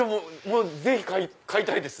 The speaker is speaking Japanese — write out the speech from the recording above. ぜひ買いたいです！